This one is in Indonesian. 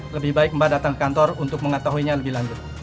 lebih baik mbak datang ke kantor untuk mengetahuinya lebih lanjut